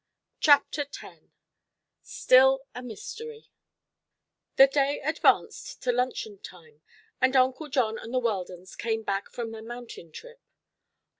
CHAPTER X STILL A MYSTERY The day advanced to luncheon time and Uncle John and the Weldons came back from their mountain trip.